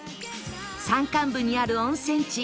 山間部にある温泉地